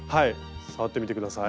触ってみて下さい。